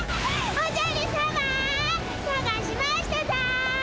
おじゃるさまさがしましたぞ！